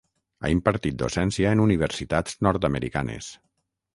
Ha impartit docència en universitats nord-americanes.